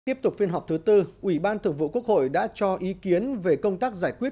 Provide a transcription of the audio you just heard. tiếp tục phiên họp thứ tư ủy ban thường vụ quốc hội đã cho ý kiến về công tác giải quyết